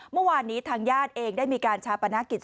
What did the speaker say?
เมื่อวานนี้ทางย่านเอ็งได้มีการชาประนักกิจ